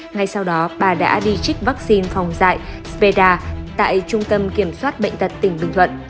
ngay sau đó bà đã đi trích vaccine phòng dạy sedar tại trung tâm kiểm soát bệnh tật tỉnh bình thuận